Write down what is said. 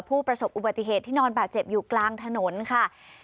ผู้ประสบอุบัติเหตุที่นอนบาดเจ็บอยู่กลางถนนค่ะ